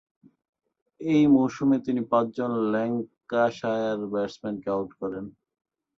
ঐ মৌসুমে তিনি পাঁচজন ল্যাঙ্কাশায়ার ব্যাটসম্যানকে আউট করেন।